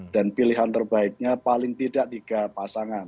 dan pilihan terbaiknya paling tidak tiga pasangan